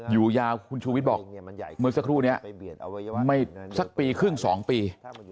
อยู่ยาวคุณชูวิทย์บอกเมื่อสักครู่นี้ไม่สักปีครึ่ง๒ปี